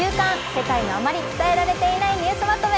世界のあまり伝えられていないニュースまとめ」。